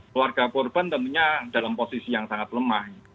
keluarga korban tentunya dalam posisi yang sangat lemah